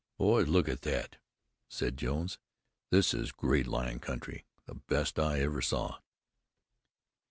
"Boys, look at that," said Jones. "This is great lion country, the best I ever saw."